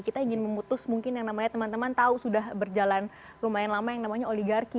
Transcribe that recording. kita ingin memutus mungkin yang namanya teman teman tahu sudah berjalan lumayan lama yang namanya oligarki